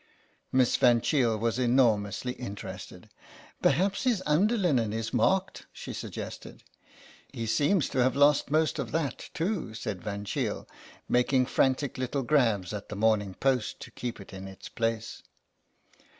Miss Van Cheele was enormously interested. " Perhaps his underlinen is marked," she suggested. ^' He seems to have lost most of that, too," said Van Cheele, making frantic little grabs at the Morning Post to keep it in its place.